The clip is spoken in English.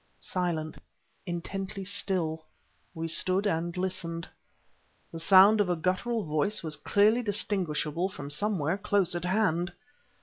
Silent, intently still, we stood and listened. The sound of a guttural voice was clearly distinguishable from somewhere close at hand!